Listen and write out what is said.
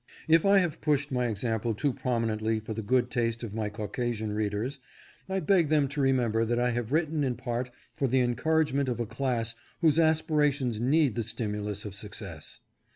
If I have pushed my example too prominently for the good taste of my Caucasian readers, I beg them to remember that I have written in part for the encouragement of a class whose aspirations need the stimulus of success.